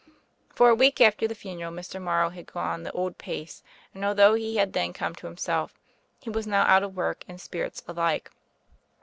For a week after the funeral Mr. Morrow had gone the old pace, and although he had then come to himself, he was now out of work and spirits alike.